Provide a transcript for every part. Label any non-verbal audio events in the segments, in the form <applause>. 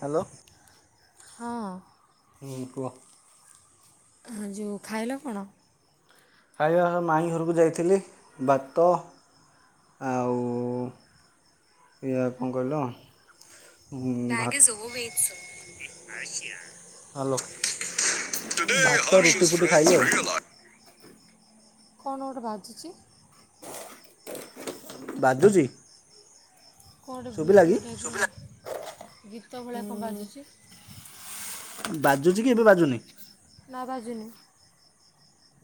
Hello ହଁ ହ କୁହ। ଆ ଯେଉଁ ଖାଇଲ କଣ? ଖାଇବା ମାଇଁ ଘରକୁ ଯାଇଥିଲି ଭାତ ଆଉ ଇଆ କଣ କହିଲ? ହଲୋ <inaudible> ହଁ ରୁଟୁ ଫୁଟୁ ଖାଇବ <inaudible> କଣ ଗୋଟେ ବାଜୁଛି? ବାଜୁଜି କଣ ଗୋଟେ ଭିଡ଼ିଓ ଟାଇପ ଗୀତ ଭଳିଆ କଣ ବାଜୁଛି? ବାଜୁଛି କି ଏବେ ବାଜୁନି? ନା ବାଜୁନି।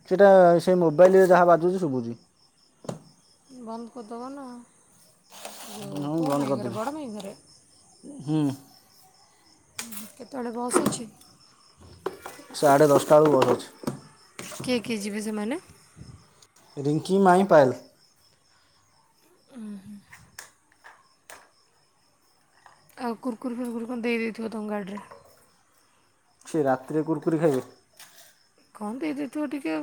ସେଟା ସେ ମୋବାଇଲରେ ଯାହା ବାଜୁଛି ଶୁଭୁଛି। ବନ୍ଦ କରିଦବ ନା ଯେଉଁ ମୁଁ କେଉଁ ମାଇଁ ଘରେ ବଡ଼ ମାଇଁ ଘରେ? ହଁ। କେତେବେଳେ ବସ୍ ଅଛି? ସାଢ଼େ ଦଶଟା ବେଳକୁ ବସ ଅଛି। କିଏ କିଏ ଯିବେ ସେମାନେ? ରିଙ୍କି, ମାଇଁ, ପାଏଲ। ଉଁ ହୁଁ। ଆଉ କୁର୍କୁରି ଫୁରର୍କୁରି ଦେଇ ଦେଇଥିବ ତାଙ୍କ ଗାଡ଼ିରେ। ସେ ରାତିରେ କୁରକୁୁରୀ ଖାଇବେ? କଣ ଦେଇଦେଇଥିବ ଟିକେ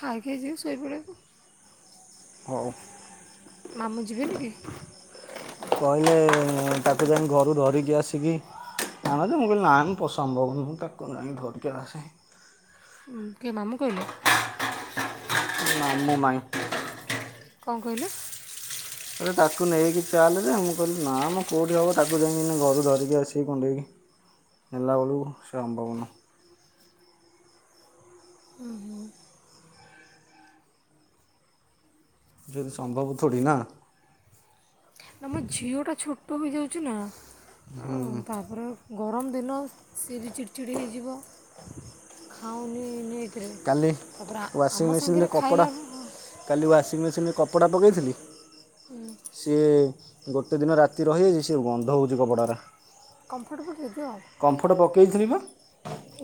ଖାଇ ଖାଇଯିବେ ଶୋଇପଡିବେ ହଉ। ମାମୁଁ ଯିବେନି କି? କହିଲେ ତାକୁ ଯାଇ ଘରୁ ଧରିକି ଆସିକି କଣ ତ ମୁଁ ନାଁ ପସନ୍ଦଭବ ମୁଁ ତାକୁ ଯାଇ ଧରିକି ଆସେ କିଏ ମାମୁଁ କହିଲେ ମାମୁଁ ମାଇଁ। କଣ କହିଲ। ତାକୁ ନେଇକି ଚାଲେ ଯେ ମୁଁ କହିଲି ନା ମୋ କୋଉଠି ହବ ତାକୁ ଯାଇକି ଘରୁ ଧରିକି ଆସିକି କୁଣ୍ଡେଇବି। ନେଲା ବେଳୁ ସମ୍ଭବନୁ। ହୁଁ ହୁଁ ଯଦି ସମ୍ଭବ ଥୋଡ଼ି ନା। ଆମ ଝିଅଟା ଛୋଟଏଇଯାଉଛିନା ହୁଁ ଆଉ ତାପରେ ଗରମ। ଦିନସ ସିଏ ବି ଚିଡିଚିଡି ହେଇଯିବ। ଖାଉନି ନି କାଲି ୱାସିଂମେସିନ୍‌ ରେ ଖାଇଲା କପଡ଼ା କାଲି ୱାସିଂ ମେସିନ୍‌ରେ କପଡ଼ା ପକେଇଥିଲି ସିଏ ଗୋଟେ ଦିନ ରାତି ରହିଯାଇଛି ସେ ଗନ୍ଧ ହୋଉଚି କପଡାରା। କମ୍ଫଟ ପକେଇ ଦିଅ। ଦେଇଥିଲି ପା।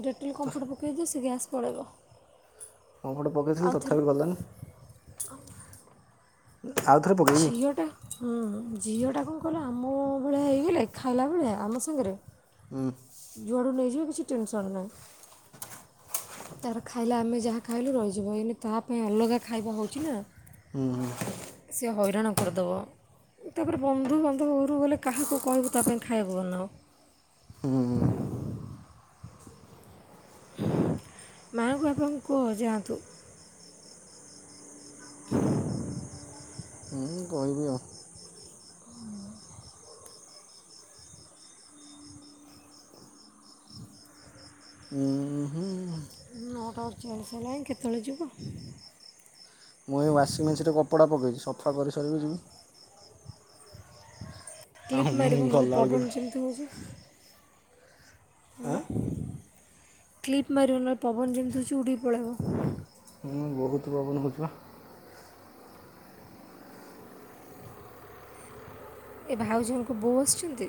ଡେଟେଲ କମ୍ଫର୍ଟ ପକେଇଦିଅ ସେ ଗ୍ୟାସ୍ ପଳେଇବ। କମ୍ପଟ ପକେଇଥିଲି ତଥାପି ଗଲାନି। ଆଉ ଥରେ ପକାଇବି ଝିଅଟା ହୁଁ। ଝିଅଟା କଣ କହିଲ ଆମ ଭଲିଆ ହେଇଗଲେ ଖାଇଲା ଭଳିଆ ହେଇଗଲେ ଆମ ସାଙ୍ଗରେ ହୁଁ ଜୁଆଡ଼ୁ ନେଇଯିବ କିଛି ଟେନସନ୍ ନାହିଁ। ତାର ଖାଇଲେ ଆମେ ଯାହା ଖାଇଲୁ ରହିଯିବ ଏଇନେ ତା ପାଇଁ ଅଲଗା ଖାଇବା ହୋଉଚି ନା। ହୁଁ ହୁଁ ସେ ହଇରାଣ କରିଦେବ ତାପରେ ବନ୍ଧୁବାନ୍ଧବ ଘରୁ ଗଲେ କାହାକୁ କହିବୁ ତା ପାଇଁ ଖାଇବାକୁ ବନାଅ। ହୁଁ। ମାଙ୍କୁ ଆପଣ କୁହ ଯାଆନ୍ତୁ। ହୁଁ କହିବି ଆଉ ଉଁ ହୁଁ ନଅଟା ଅଟଚାଳିସି ହେଲାଣି କେତେବେଳେ ଯିବ? ମୁଁ ଏହି ୱାସିଂ ମେସିନରେ କପଡ଼ା ପକେଇଚି ସଫା କରିସାରି କି ଯିବି। ଆଉ କ୍ଲିପ୍ ମୁଁ ମାରିବୁ ନହେଲେ ଗଲାବେଳକୁ ପବନ ଯେମିତି ହୋଉଚି। ଆଁ ଉଁ। କ୍ଲିପ୍ ମାରିବୁ ନହେଲେ ପବନ ଯେମିତି ହେଉଚି ଉଡିକି ପଳେଇବ। ହୁଁ ବହୁତ ପବନ ହେଉଛି ବା ଏ ଭାଉଜଙ୍କ ବୋଉ ଆସିଚନ୍ତି?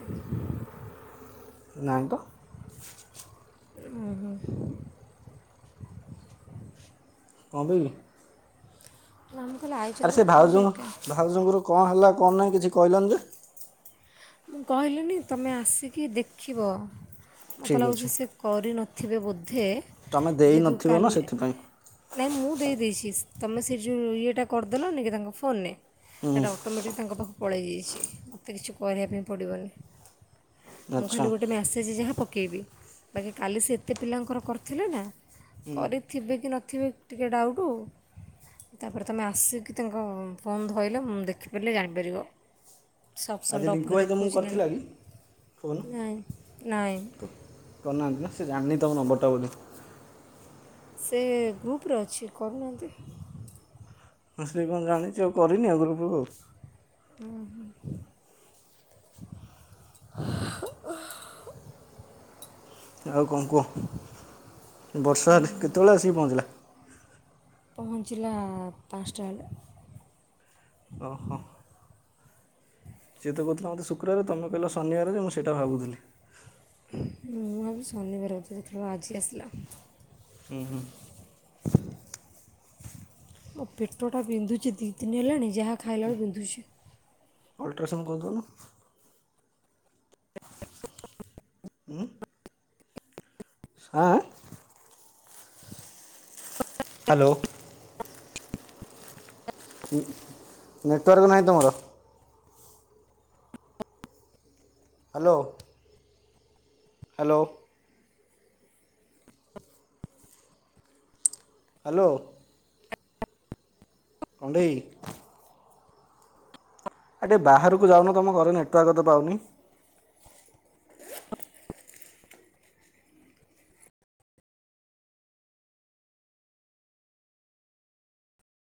ନାହିଁ ତ ଉଁ ହୁଁ ହୁଁ। କଣ ପାଇଁ କି? ନା ମୁଁ କହିଲି ଆଇଛନ୍ତି ଆରେ ସେ ନା ଭାଉଜ ଏକା ଭାଉଜଙ୍କର କଣ ହେଲା କଣ ନାହିଁ କିଛି କହିଲନି ଯେ। ମୁଁ କହିଲିନି ତମେ ଆସିକି ଦେଖିବ। ମତେ ଠିକ୍ ଲାଗୁଚି ଅଛି ସେ କରି ନଥିବେ ବୋ ଧେ ତମେ ଯେହେତୁ ଦେଇନଥିବ ନା କାଲି ସେଥିପାଇଁ ନାଇଁ ମୁଁ ଦେଇ ଦେଇ ଚି ତମେ ସେ ଯୋଉ ଇଏଟା କରି ଦେଲନି କି ତାଙ୍କ ଫୋନରେ ହୁଁ ଏଟା ଅଟୋ ମେଟିକ ତାଙ୍କ ପାଖ ପଳେଇଯାଇଚି ମୋତେ କିଛି କହିବା ପାଇଁ ପଡ଼ିବନି ମୁଁ ଆଚ୍ଛା ଖାଲି ଗୋଟେ ମ୍ୟାସେଜ ଯାହା ପ ପକେଇବି ବାକି କାଲି ସେ ଏତେ ପିଲାଙ୍କର କରିଥିଲେ ନା ହୁଁ କରିଥିବେ କି ନଥିବେ ଟିକେ ଡାଉଟୁ। ତାପରେ ତମେ ଆସିକି ତାଙ୍କ ଫୋନ୍ ଧଇଲ ମୁଁ ଦେଖିପାରିଲି ଜାଣିପାରିବ ସ ଆଜି ଲିଙ୍କୁ ଭାଇ ତମକୁ କରିଥିଲା କି? କୋହୁନୁ ନାଇଁ ନାଇଁ କ‌ହ କରିନାହାନ୍ତି ନା ସେ ଜାଣିନି ତମ ନମ୍ବରଟା ବୋଧେ ସେ ଗ୍ରୁପରେ ଅଛି କରୁନାହାନ୍ତି। ‌‌ହଁ ସେ କଣ ଜାଣିଚି ଆଉ କରିନି ଆଉ ଗ୍ରୁପରୁ। ଉଁ ହୁଁ। <inaudible> ଆଉ କଣ କୁହ ବର୍ଷା କେତେବେଳେ ଆସିକି ପହଞ୍ଚିଲା? ପହଁଞ୍ଚିଲା ପାଞ୍ଚଟା ବେଳେ। ଓ ହୋ। ସିଏ ତ କୋହୁଥିଲା ମୋତେ ଶୁକ୍ରବାରେ ତମେ କହିଲ ଶନିବାର ଯେ ମୁଁ ସେଇଟା ଭାବୁଥିଲି। ମୁଁ ଭାବିଲି ଶନିବାର ବୋଧେ ଦେଖିଲାବେଳକୁ ଆଜି ଆସିଲା। ହୁଁ ହୁଁ। ମୋ ପେଟଟା ବିନ୍ଧୁଚି ଦିଇ ଦିନି ହେଲାଣି ଯାହା ଖାଇଲାବେଳେକୁ ବିନ୍ଧୁଚି। ଅଲଟ୍ରାସାଉଣ୍ଡ କରିଦୋଉନୁ। ଉଁ। ଆ ଆ ହ୍ୟାଲୋ ନେଟୱାର୍କ ନାହିଁ ତୁମର ହ୍ୟାଲୋ ହ୍ୟାଲୋ ହ୍ୟାଲୋ କଣ୍ଢେଇ ଆ ଟିକେ ବାହାରକୁ ଯାଉନ ତୁମ ଘରେ ନେଟୱାର୍କ ତ ପାଉନି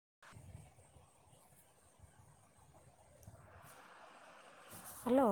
<inaudible> ହ୍ୟାଲୋ